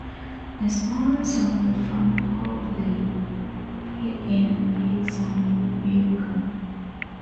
A small sample from "Hog Leg" appeared in Beck's song "Beercan".